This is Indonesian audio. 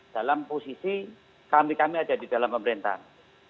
dalam posisi kami kami ada di dalam pemerintahan